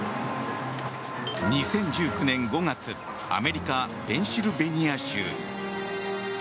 ２０１９年５月アメリカ・ペンシルベニア州。